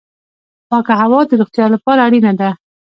پاکه هوا د روغتیا لپاره اړینه ده